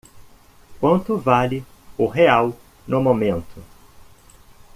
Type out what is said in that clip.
Quanto vale o real no momento?